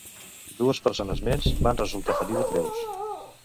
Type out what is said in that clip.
Dues persones més van resultar ferides greus.